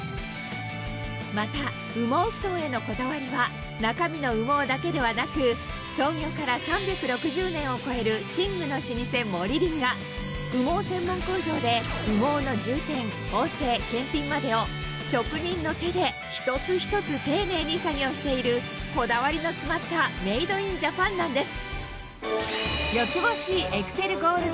また羽毛ふとんへのこだわりは中身の羽毛だけではなく羽毛専門工場で羽毛の充填縫製検品までを職人の手で一つ一つ丁寧に作業しているこだわりの詰まったメイド・イン・ジャパンなんです